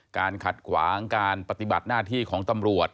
ขัดขวางการปฏิบัติหน้าที่ของตำรวจ